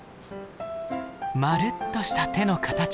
まるっとした手の形。